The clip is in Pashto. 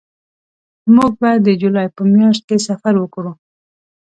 موږ به د جولای په میاشت کې سفر وکړو